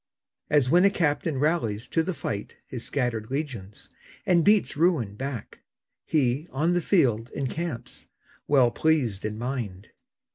As when a captain rallies to the fight His scattered legions, and beats ruin back, He, on the field, encamps, well pleased in mind.